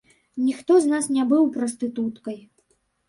Ніхто з нас не быў прастытуткай!